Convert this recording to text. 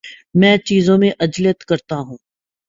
میں چیزوں میں عجلت کرتا ہوں